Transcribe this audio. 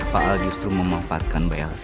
pak al justru memanfaatkan mbak elsa